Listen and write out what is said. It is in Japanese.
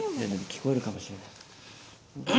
聞こえるかもしれない。